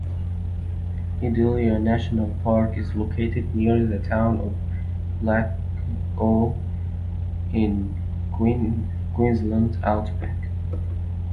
Idalia National Park is located near the town of Blackall in the Queensland outback.